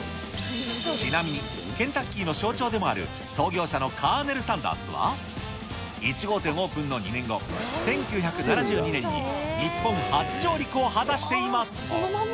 ちなみにケンタッキーの象徴でもある創業者のカーネル・サンダースは、１号店オープンの２年後、１９７２年に日本初上陸を果たしています。